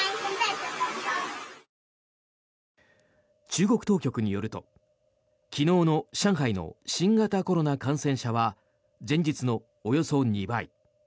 中国当局によると昨日の上海の新型コロナ感染者は前日のおよそ２倍。